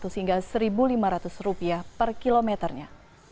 sehingga rp satu lima ratus per kilometernya